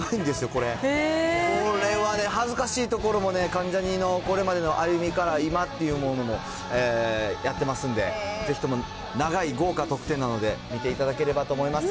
これはね、恥ずかしいところも、関ジャニのこれまでの歩みから今っていうものもやってますんで、ぜひとも長い豪華特典なので、見ていただければと思います。